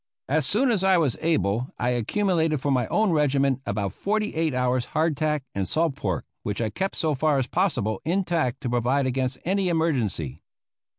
As soon as I was able I accumulated for my own regiment about forty eight hours' hardtack and salt pork, which I kept so far as possible intact to provide against any emergency.